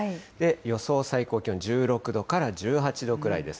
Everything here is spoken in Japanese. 予想最高気温、１６度から１８度くらいです。